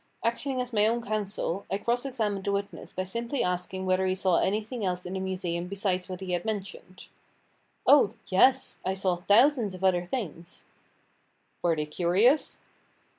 Acting as my own counsel, I cross examined the witness by simply asking whether he saw anything else in the Museum besides what he had mentioned. "Oh! yes, I saw thousands of other things." "Were they curious?"